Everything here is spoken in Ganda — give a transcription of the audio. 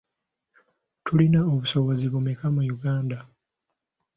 Tulina obusozi bumeka mu Uganda?